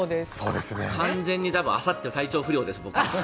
完全にあさっては体調不良です、僕。